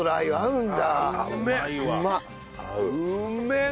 うん。